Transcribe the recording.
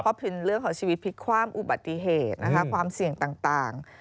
เพราะเป็นเรื่องของชีวิตพิกษ์ความอุบัติเหตุความเสี่ยงต่าง